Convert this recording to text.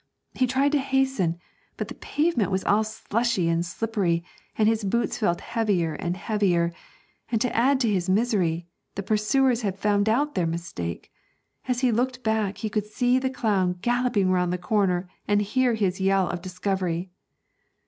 He tried to hasten, but the pavement was all slushy and slippery, and his boots felt heavier and heavier, and, to add to his misery, the pursuers had found out their mistake. As he looked back, he could see the clown galloping round the corner and hear his yell of discovery.